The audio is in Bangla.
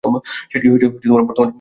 সেটিই বর্তমানের স্তম্ভ।